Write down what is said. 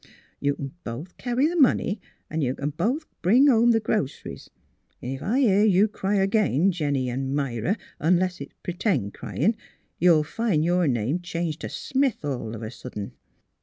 You can both carry the money, and you can both bring home the groceries; and if I hear you cry again, Jennie an' Myra — unless it's p'tend cryin' — you'll find your name changed to Smith, all of a sudden.